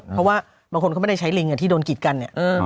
เพราะว่าบางคนเขาไม่ได้ใช้ลิงที่โดนกิดกันเนี่ย